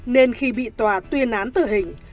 nên khi bị tòa tuyên án tử hình